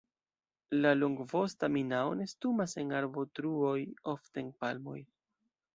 La Longvosta minao nestumas en arbotruoj, ofte en palmoj.